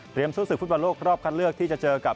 เตรียมศู้สึกฝุ่นพลวงโลกรอบคัตเลือกที่จะเจอกับ